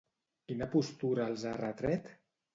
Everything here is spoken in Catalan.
Quina postura els ha retret?